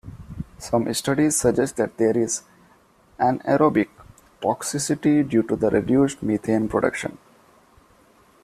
Some studies suggest that there is anaerobic toxicity due to a reduced methane production.